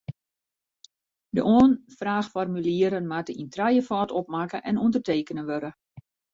De oanfraachformulieren moatte yn trijefâld opmakke en ûndertekene wurde.